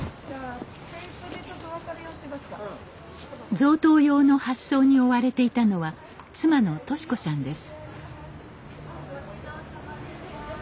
贈答用の発送に追われていたのは妻の敏子さんです。